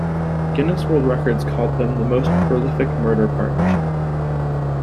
Guinness World Records called them the "most prolific murder partnership".